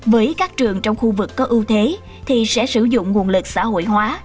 với các trường trong khu vực có ưu thế thì sẽ sử dụng nguồn lực xã hội hóa